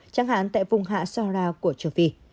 chẳng hạn tại vùng hạ sahara của châu phi